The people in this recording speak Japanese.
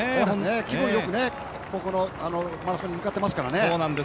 気分よく、このマラソンに向かってますからね。